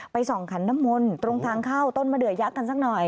ส่องขันน้ำมนต์ตรงทางเข้าต้นมะเดือยักษ์กันสักหน่อย